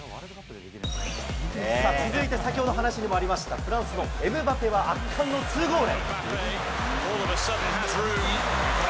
続いて、先ほど話にもありました、フランスのエムバペは、圧巻の２ゴール。